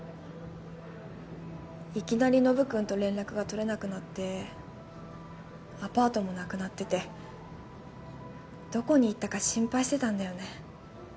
いきなりノブ君と連絡が取れなくなってアパートも無くなっててどこに行ったか心配してたんだよね。